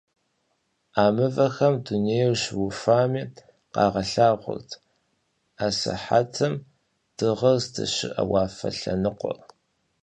A mıvexem dunêyr şıufami khağelhağuert asıhetım dığer zdeşı'e vuafe lhenıkhuer.